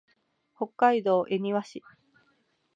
北海道恵庭市